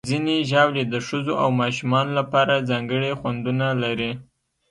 ځینې ژاولې د ښځو او ماشومانو لپاره ځانګړي خوندونه لري.